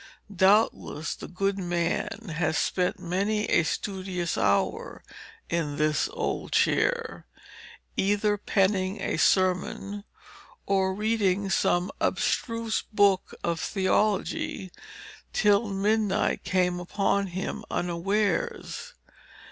Doubtless the good man has spent many a studious hour in this old chair, either penning a sermon, or reading some abstruse book of theology, till midnight came upon him unawares.